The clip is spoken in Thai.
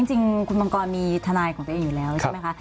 จริงคุณมังกรมีทนายของตัวเองอยู่แล้วใช่ไหมคะ